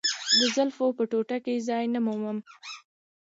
د زلفو په ټوټه کې ځای نه مومم.